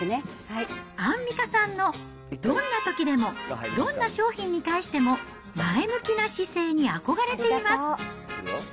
アンミカさんのどんな時でもどんな商品に対しても前向きな姿勢に憧れています。